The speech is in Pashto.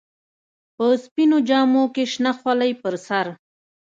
په سپينو جامو کښې شنه خولۍ پر سر.